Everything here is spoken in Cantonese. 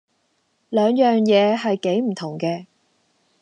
兩樣嘢係幾唔同嘅